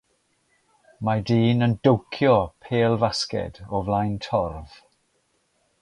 Mae dyn yn dowcio pêl-fasged o flaen torf.